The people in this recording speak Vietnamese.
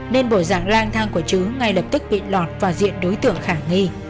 nên bộ dạng lang thang của chứ ngay lập tức bị lọt và diện đối tượng khả nghi